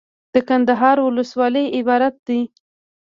دکندهار ولسوالۍ عبارت دي.